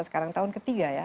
sekarang tahun ketiga ya